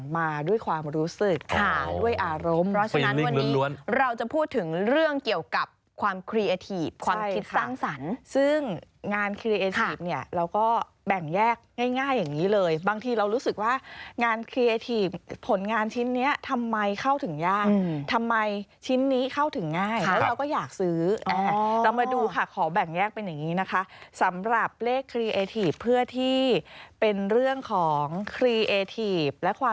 มาด้วยความรู้สึกค่ะด้วยอารมณ์เพราะฉะนั้นวันนี้เราจะพูดถึงเรื่องเกี่ยวกับความครีเอทีฟความคิดสร้างสรรค์ซึ่งงานครีเอทีฟเนี่ยเราก็แบ่งแยกง่ายอย่างนี้เลยบางทีเรารู้สึกว่างานเคลียร์ทีฟผลงานชิ้นนี้ทำไมเข้าถึงยากทำไมชิ้นนี้เข้าถึงง่ายแล้วเราก็อยากซื้อเรามาดูค่ะขอแบ่งแยกเป็นอย่างนี้นะคะสำหรับเลขครีเอทีฟเพื่อที่เป็นเรื่องของครีเอทีฟและความ